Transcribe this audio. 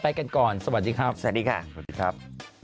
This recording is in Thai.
โปรดติดตามตอนต่อไป